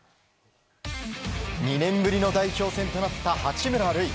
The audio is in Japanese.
２年ぶりの代表戦となった八村塁。